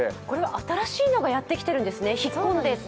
これは新しいのがやってきているんですね。